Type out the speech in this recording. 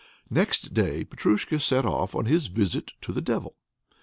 Next day Petrusha set off on his visit to the Devil.